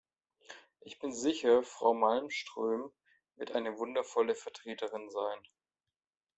Ich bin sicher, Frau Malmström wird eine wundervolle Vertreterin sein.